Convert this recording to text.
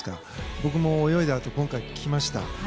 僕も泳いだあと今回、聞きました。